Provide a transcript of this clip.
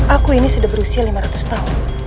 aku ini sudah berusia lima ratus tahun